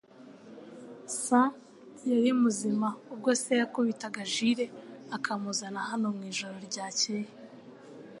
Sean yari muzima ubwo se yakubitaga Jule akamuzana hano mu ijoro ryakeye.